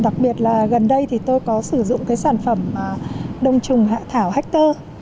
đặc biệt là gần đây tôi có sử dụng sản phẩm đồng trùng hạ thảo hector